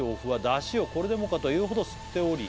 「出汁をこれでもかというほど吸っており」